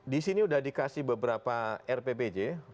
di sini udah dikasih beberapa rppj